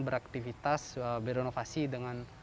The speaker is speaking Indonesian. beraktivitas berinovasi dengan